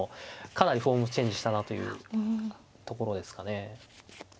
かなりフォームチェンジしたなというところですかね。